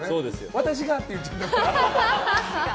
私がって言っちゃった。